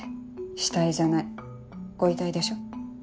死体じゃないご遺体でしょ？